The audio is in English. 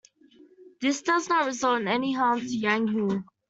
This does not result in any harm to Yang Hu.